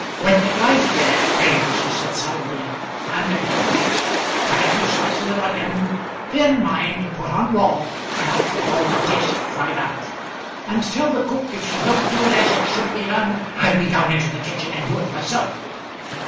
"With the gravy in it, James," he said, solemnly. "And a bit of fat, and a few slices of onion, thin mind, put on raw, not with all the taste fried out; and tell the cook if she don't do it as it should be done, I'll be down into the kitchen and do it myself.